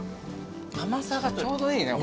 甘さがちょうどいいねこれね。